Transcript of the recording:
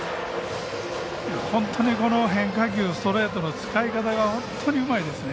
本当にこの変化球とストレートの使い方がうまいですね。